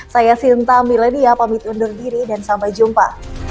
saya sinta milenia pamit undur diri dan sampai jumpa